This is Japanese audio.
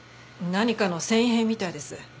何かの繊維片みたいです。